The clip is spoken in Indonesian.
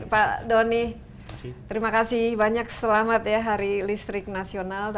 pak doni terima kasih banyak selamat ya hari listrik nasional